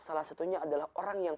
salah satunya adalah orang yang